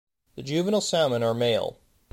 The juvenile salmon are male.